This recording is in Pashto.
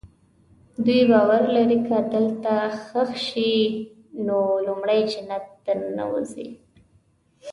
دوی باور لري که دلته ښخ شي نو لومړی جنت ته ننوځي.